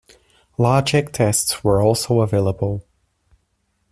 Logic tests were also available.